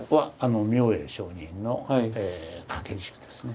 明恵上人の掛け軸ですね。